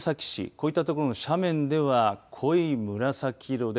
こういった所の斜面では濃い紫色